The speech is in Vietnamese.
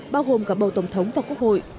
bao gồm cả bầu tổng thống và quốc hội